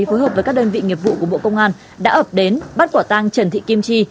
phối hợp với các đơn vị nghiệp vụ của bộ công an đã ập đến bắt quả tang trần thị kim chi